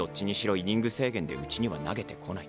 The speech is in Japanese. イニング制限でうちには投げてこない。